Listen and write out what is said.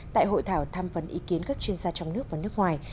tại hội thảo tham vấn ý kiến các chuyên gia trong nước và nước ngoài